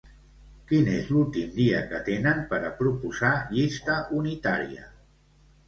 Quin és l'últim dia que tenen per a proposar llista unitària?